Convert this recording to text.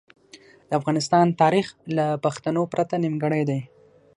د افغانستان تاریخ له پښتنو پرته نیمګړی دی.